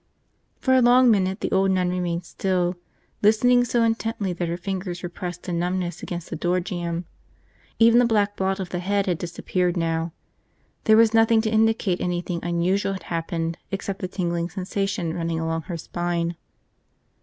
For a long minute the old nun remained still, listening so intently that her fingers were pressed to numbness against the door jamb. Even the black blot of the head had disappeared now. There was nothing to indicate anything unusual had happened except the tingling sensation running along her spine.